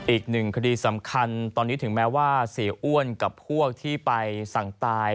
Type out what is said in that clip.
อีกหนึ่งคดีสำคัญตอนนี้ถึงแม้ว่าเสียอ้วนกับพวกที่ไปสั่งตาย